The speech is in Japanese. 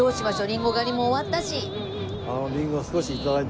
リンゴ狩りも終わったし。